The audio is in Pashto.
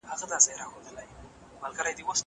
زه پرون د زده کړو تمرين کوم!